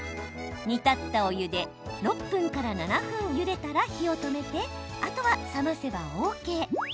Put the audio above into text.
煮立ったお湯で６分から７分ゆでたら火を止めてあとは冷ませばＯＫ。